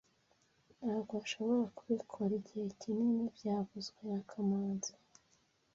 Ntabwo nshobora kubikora igihe kinini byavuzwe na kamanzi